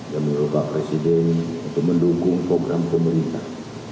dan menurut bapak presiden untuk mendukung program pemerintah